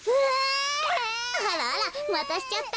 あらあらまたしちゃった？